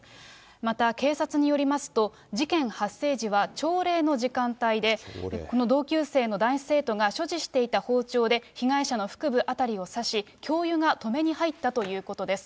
また警察によりますと、事件発生時は朝礼の時間帯で、この同級生の男子生徒が、所持していた包丁で被害者の腹部辺りを刺し、教諭が止めに入ったということです。